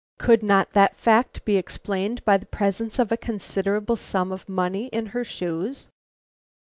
Could not that fact be explained by the presence of a considerable sum of money in her shoes?